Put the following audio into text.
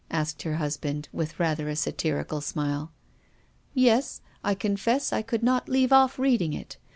asked her husband, with rather a satirical smile. "Yes. I confess I could not leave off reading it.